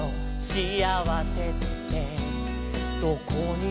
「シアワセってどこにある」